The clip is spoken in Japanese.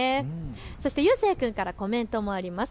そして、ゆうせい君からコメントもあります。